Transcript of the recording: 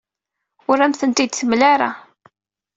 Ur am-tent-id-temla ara.